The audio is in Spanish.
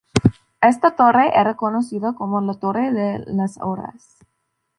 Esta torre era conocida como la "torre de las Horas.